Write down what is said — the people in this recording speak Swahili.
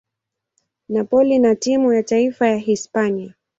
Napoli na timu ya taifa ya Hispania.